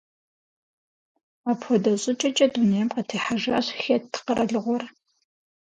Апхуэдэ щӏыкӏэкӏэ дунейм къытехьэжащ Хетт къэралыгъуэр.